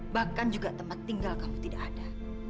bahkan juga tempat tinggal kamu tidak ada